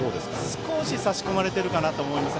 少し差し込まれているかなと思います。